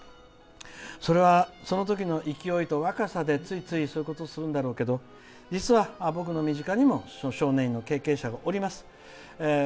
それはその時の勢いと若さでついついそういうことをするんだろうけど実は僕の身近にも少年院の経験者がおります。